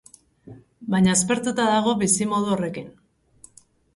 Baina aspertuta dago bizimodu horrekin.